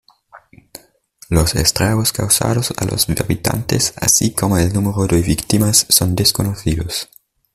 Los estragos causados a los habitantes, así como el número de víctimas, son desconocidos.